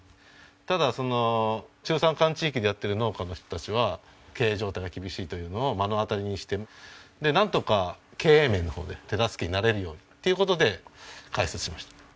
ただ中山間地域でやっている農家の人たちは経営状態が厳しいというのを目の当たりにしてなんとか経営面のほうで手助けになれるようにっていう事で開設しました。